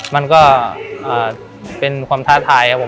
มันก็เป็นความท้าทายครับผม